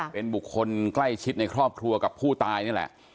เป็นบุคคลใกล้ชิดในครอบครัวกับผู้ตายนี่แหละ